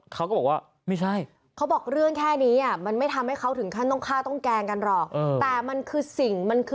เขาก็บอกว่าไม่ใช่เขาบอกเรื่องแค่นี้มันไม่ทำให้เขาถึงขั้นต้องฆ่าต้องแกงกันหรอก